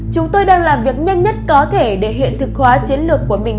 chúng tôi đang làm việc nhanh nhất có thể để hiện thực hóa chiến lược của mình